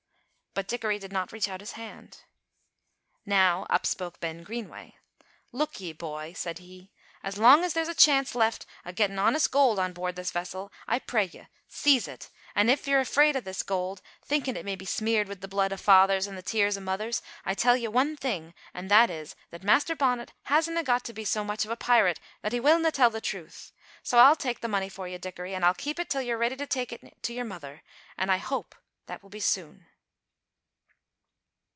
But Dickory did not reach out his hand. Now up spoke Ben Greenway: "Look ye, boy," said he, "as long as there's a chance left o' gettin' honest gold on board this vessel, I pray ye, seize it, an' if ye're afraid o' this gold, thinkin' it may be smeared wi' the blood o' fathers an' the tears o' mithers, I'll tell ye ane thing, an' that is, that Master Bonnet hasna got to be so much o' a pirate that he willna tell the truth. So I'll tak' the money for ye, Dickory, an' I'll keep it till ye're ready to tak' it to your mither; an' I hope that will be soon."